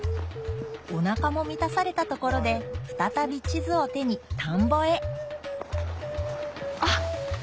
おなかも満たされたところで再び地図を手に田んぼへあっ。